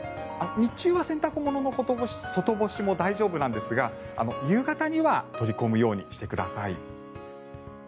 日中は洗濯物の外干しも大丈夫なんですが夕方には取り込むようにしてください。